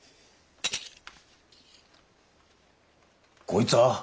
こいつは。